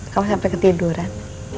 kau sampai ketiduran